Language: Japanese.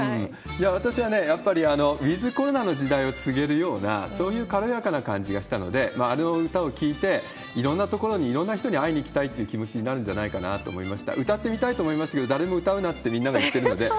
私はね、やっぱりウィズコロナの時代を告げるようなそういう軽やかな感じがしたので、あの歌を聞いて、いろんなところにいろんな人に会いに行きたいっていう気持ちになきょうはここまでとなります。